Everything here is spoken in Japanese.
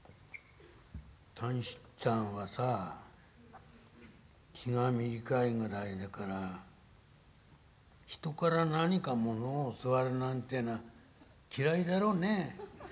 「短七っつぁんはさ気が短いぐらいだから人から何かものを教わるなんてのは嫌いだろうね？」。